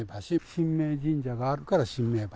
神明神社があるから神明橋。